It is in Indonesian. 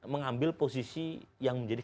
mengambil posisi yang menjadi